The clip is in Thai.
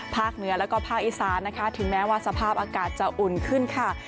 เหนือแล้วก็ภาคอีสานนะคะถึงแม้ว่าสภาพอากาศจะอุ่นขึ้นค่ะ